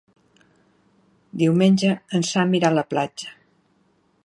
Diumenge en Sam irà a la platja.